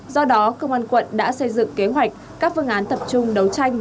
do đó công an quận đã xây dựng kế hoạch các phương án tập trung đấu tranh